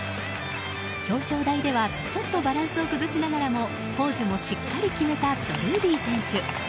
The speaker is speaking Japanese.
表彰台では、ちょっとバランスを崩しながらもポーズもしっかり決めたドルーリー選手。